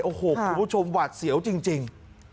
โอ้โหคุณผู้ชมหวาดเสียวจริง